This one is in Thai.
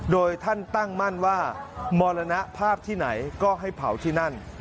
โดยท่านตั้งมั่นว่ามรณภาพที่ไหนก็ให้เผาที่นั่น